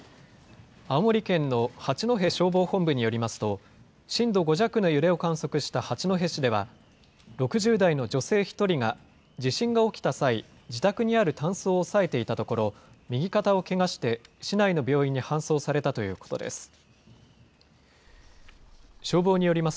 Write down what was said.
青森県の八戸消防本部によりますと、震度５弱の揺れを観測した八戸市では、６０代の女性１人が、地震が起きた際、自宅にあるタンスを押さえていたところ、右肩をけがして市内の病院に搬送されたということです。